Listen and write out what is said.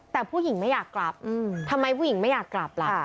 แต่ผู้หญิงไม่อยากกลับทำไมผู้หญิงไม่อยากกลับล่ะ